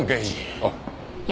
あっ。